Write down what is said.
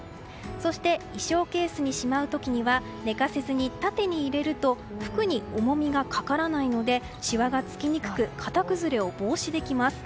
そして衣装ケースにしまう時は寝かせずに縦に入れると服に重みがかからないのでしわが付きにくく型崩れを防止できます。